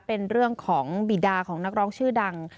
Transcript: เป็นเรื่องของบีดาของนักร้องชื่อดัง